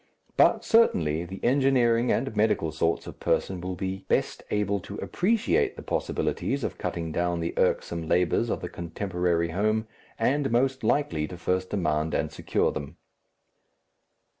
But certainly the engineering and medical sorts of person will be best able to appreciate the possibilities of cutting down the irksome labours of the contemporary home, and most likely to first demand and secure them.